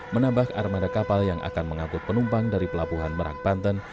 menambah armada kapal yang akan mengangkut penumpang dari pelabuhan merak banten